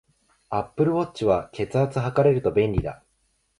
アップルウォッチは、血圧測れると便利だ